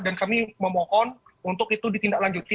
dan kami memohon untuk itu ditindaklanjuti